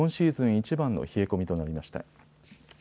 いちばんの冷え込みとなりました。